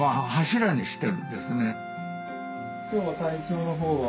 今日は体調のほうは？